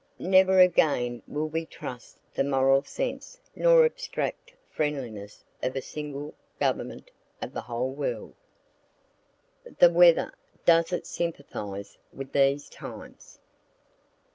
Never again will we trust the moral sense nor abstract friendliness of a single government of the old world. THE WEATHER DOES IT SYMPATHIZE WITH THESE TIMES?